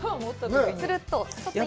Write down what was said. つるっと。